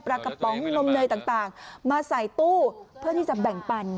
กระป๋องนมเนยต่างมาใส่ตู้เพื่อที่จะแบ่งปัน